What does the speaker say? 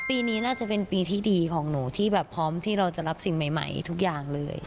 ปีนี้น่าจะเป็นปีที่ดีของหนูที่แบบพร้อมที่เราจะรับสิ่งใหม่ทุกอย่างเลย